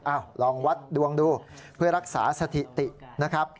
ลองวัดดวงดูเพื่อรักษาสถิตินะครับ